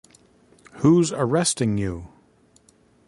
Who's arresting you?